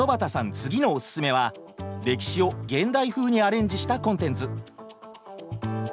次のおススメは歴史を現代風にアレンジしたコンテンツ。